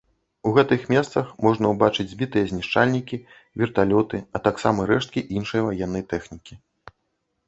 У гэтых месцах можна ўбачыць збітыя знішчальнікі, верталёты, а таксама рэшткі іншай ваеннай тэхнікі.